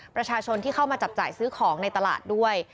ประชาชนที่เข้ามาจับจ่ายซื้อของในตลาดด้วย